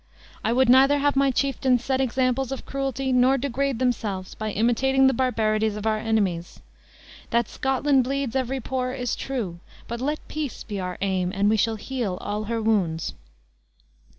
I would neither have my chieftains set examples of cruelty, nor degrade themselves by imitating the barbarities of our enemies. That Scotland bleeds every pore is true; but let peace be our aim, and we shall heal all her wounds."